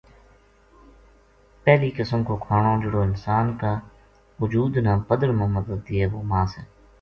پہلی قسم کو کھانو جہڑو انسان کا اُجود نا بدھن ما مدد دیئے وہ ماس ہے۔